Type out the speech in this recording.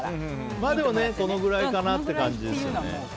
でもね、このぐらいかなって感じですね。